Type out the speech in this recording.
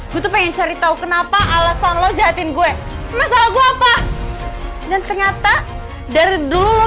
gue tuh pengen cari tahu kenapa alasan lo jahatin gue masalah gue apa dan ternyata dari dulu lo